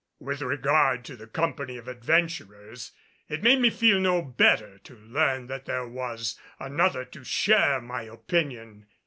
With regard to the company of adventurers it made me feel no better to learn that there was another to share my opinion.